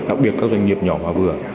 đặc biệt các doanh nghiệp nhỏ và vừa